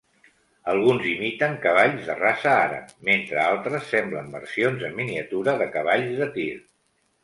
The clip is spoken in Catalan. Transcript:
Alguns imiten cavalls de raça àrab, mentre altres semblen versions en miniatura de cavalls de tir.